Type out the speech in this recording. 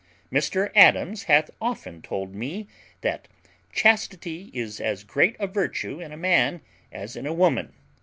"Mr Adams hath often told me, that chastity is as great a virtue in a man as in a woman.